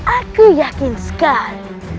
aku yakin sekali